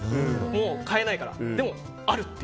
もう、買えないからでもあると。